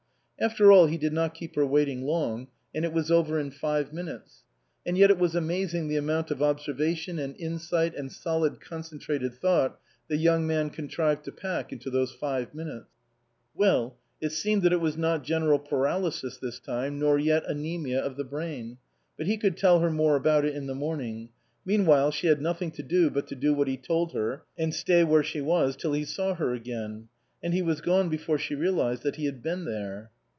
After all he did not keep her waiting long, and it was over in five minutes. And yet it was amazing the amount of observation, and insight, and solid concentrated thought the young man contrived to pack into those five minutes. Well it seemed that it was not general paralysis this time, nor yet anaemia of the brain ; but he could tell her more about it in the morning. Meanwhile she had nothing to do but to do what he told her and stay where she was till he saw her again. And he was gone before she realized that he had been there.